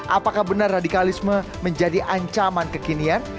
apakah benar radikalisme menjadi ancaman kekinian